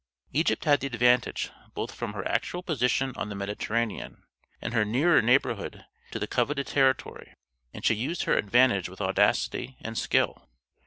Egypt had the advantage, both from her actual position on the Mediterranean and her nearer neighborhood to the coveted territory, and she used her advantage with audacity and skill.